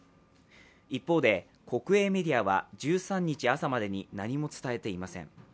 一方で、国営メディアは１３日朝までに何も伝えていません。